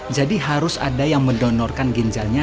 jadi harus ada yang mendonorkan ginjalnya